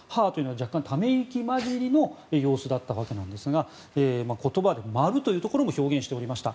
若干、ため息交じりの様子だったわけですが言葉で、「。」というところも表現していました。